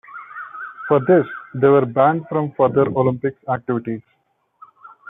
For this, they were banned from further Olympic activities.